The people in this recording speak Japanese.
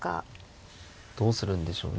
どうするんでしょうね。